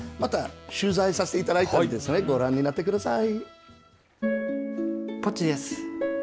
取材させていただいたのでご覧になってください。